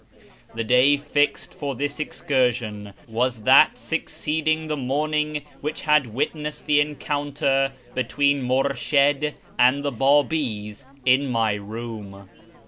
The day fixed for this excursion was that succeeding the morning which had witnessed the encounter between INIurshid and the Babis, in my room.